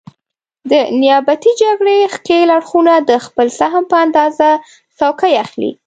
د نیابتي جګړې ښکېل اړخونه د خپل سهم په اندازه څوکۍ اخلي.